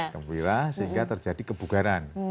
kegembira sehingga terjadi kebukaran